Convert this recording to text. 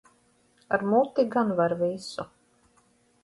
Ar muti gan var visu.